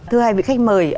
thưa hai vị khách mời